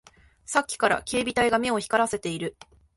さっきから警備隊が目を光らせている